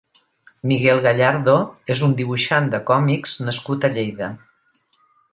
Miguel Gallardo és un dibuixant de còmics nascut a Lleida.